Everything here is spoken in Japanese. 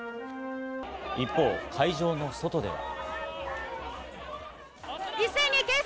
一方、会場の外では。